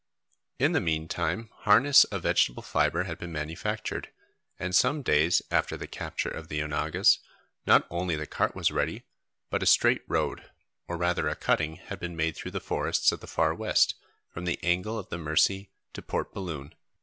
In the meantime harness of vegetable fibre had been manufactured, and some days after the capture of the onagas, not only the cart was ready, but a straight road, or rather a cutting, had been made through the forests of the Far West, from the angle of the Mercy to Port Balloon.